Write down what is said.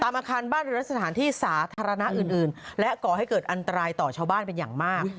อาคารบ้านหรือสถานที่สาธารณะอื่นและก่อให้เกิดอันตรายต่อชาวบ้านเป็นอย่างมาก